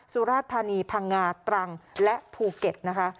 สุราธานีพังงาตรังและภูเก็ตนะคะ